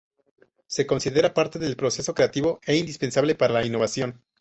Se considera parte del proceso creativo e indispensable para la innovación.